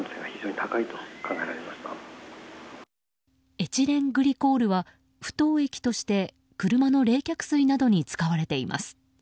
エチレングリコールは不凍液として車の冷却水などに使われています。